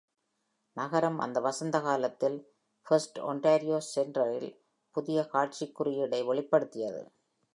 நகரம், அந்த வசந்த காலத்தில் ஃபர்ஸ்ட் ஆன்டாரியோ செண்டரில் புதிய காட்சிக் குறியீடை வெளிப்படுத்தியது.